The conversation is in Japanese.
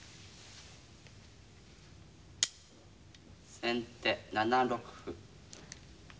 先手７六歩。